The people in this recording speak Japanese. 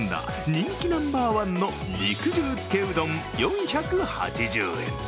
人気ナンバーワンの肉汁つけうどん４８０円。